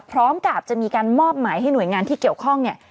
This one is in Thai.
พร้อมกับจะมีการมอบหมายให้หน่วยงานที่เกี่ยวข้องเนี่ย